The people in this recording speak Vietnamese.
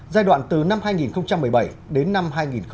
giai đoạn từ năm hai nghìn một mươi bảy đến năm hai nghìn hai mươi